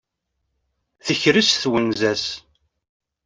Tekres twenza-s.